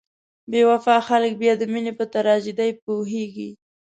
بې وفا خلک بیا د مینې په تراژیدۍ پوهیږي.